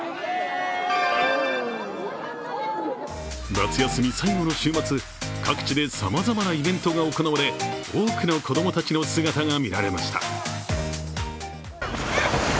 夏休み最後の週末、各地でさまざまなイベントが行われ多くの子供たちの姿がみられました。